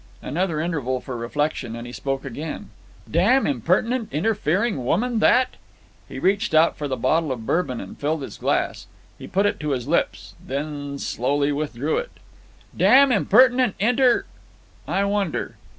Another interval for reflection, and he spoke again. "Damn impertinent, interfering woman that!" He reached out for the bottle of Bourbon and filled his glass. He put it to his lips, then slowly withdrew it. "Damn impertinent, inter—I wonder!"